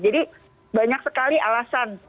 jadi banyak sekali alasan